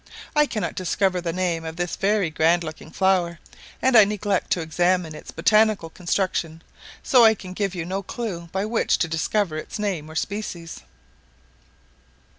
I cannot discover the name of this very grand looking flower, and I neglected to examine its botanical construction; so can give you no clue by which to discover its name or species.